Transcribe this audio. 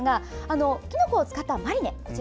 きのこを使ったマリネ。